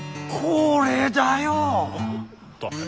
これだよ！